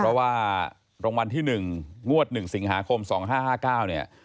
เพราะว่ารางวัลที่๑งวด๑สิงหาคม๒๕๕๙เนี่ย